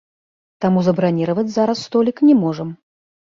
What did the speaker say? Таму забраніраваць зараз столік не можам.